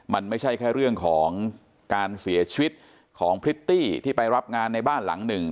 มันไม่ใช่แค่เรื่องของการเสียชีวิตของพริตตี้ที่ไปรับงานในบ้านหลังหนึ่ง